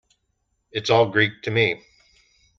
It's all Greek to me.